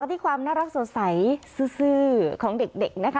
เพื่อได้ความน่ารักสวดใสซื่อของเด็กนะคะ